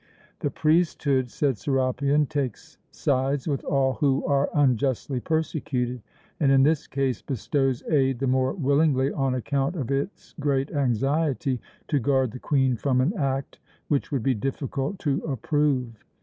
"The priesthood," said Serapion, "takes sides with all who are unjustly persecuted, and in this case bestows aid the more willingly on account of its great anxiety to guard the Queen from an act which would be difficult to approve."